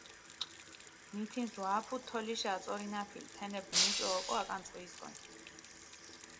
მითინს ვა აფუდჷ თოლიშა აწორინაფილი, თენეფი მუჭო ოკო აკანწყიისკონ.